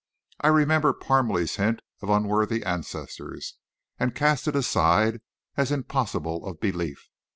I remembered Parmalee's hint of unworthy ancestors, and cast it aside as impossible of belief.